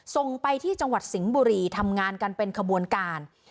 ส่งไปที่จังหวัดสิงห์บุรีทำงานกันเป็นขบวนการ